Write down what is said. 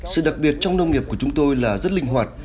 sự đặc biệt trong nông nghiệp của chúng tôi là rất linh hoạt